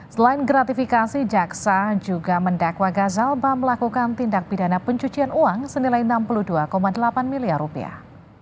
selain gratifikasi jaksa juga mendakwa gazal ba melakukan tindak pidana pencucian uang senilai enam puluh dua delapan miliar rupiah